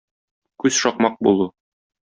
Күз шакмак булу.